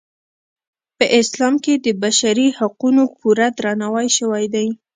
په اسلام کې د بشري حقونو پوره درناوی شوی دی.